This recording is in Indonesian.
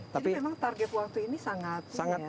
jadi memang target waktu ini sangat